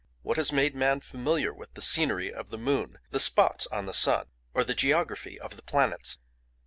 What has made man familiar with the scenery of the moon, the spots on the sun, or the geography of the planets?